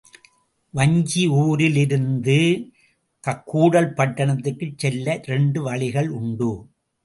வஞ்சியூரிலிருந்து கூடல் பட்டணத்திற்குச் செல்ல இரண்டு வழிகள் உண்டு.